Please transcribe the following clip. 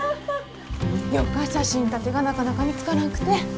よか写真立てがなかなか見つからんくて。